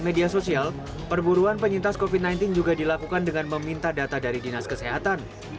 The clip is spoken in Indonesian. media sosial perburuan penyintas kofi sembilan belas juga dilakukan dengan meminta data dari dinas kesehatan